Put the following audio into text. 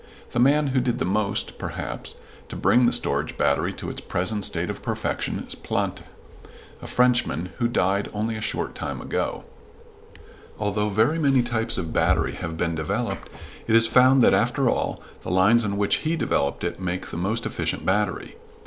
The man who did the most, perhaps, to bring the storage battery to its present state of perfection was Planté, a Frenchman, who died only a short time ago. Although very many types of battery have been developed, it is found that, after all, the lines on which he developed it make the most efficient battery.